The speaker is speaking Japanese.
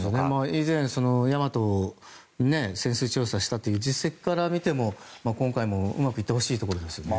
以前、「大和」を潜水調査したという実績から見ても今回もうまくいってほしいところですよね。